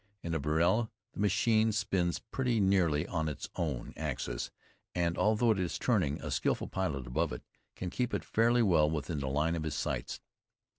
In a vrille, the machine spins pretty nearly on its own axis, and although it is turning, a skillful pilot above it can keep it fairly well within the line of his sights.